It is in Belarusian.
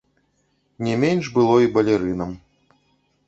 Не менш было і балерынам.